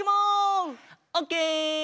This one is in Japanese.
オッケー！